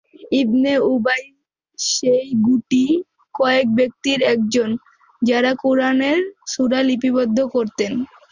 ইবনে Ubai সেই গুটি কয়েক ব্যক্তির একজন, যারা কুরআনের সূরা লিপিবদ্ধ করতেন।